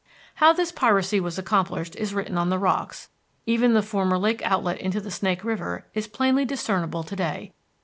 How this piracy was accomplished is written on the rocks; even the former lake outlet into the Snake River is plainly discernible to day.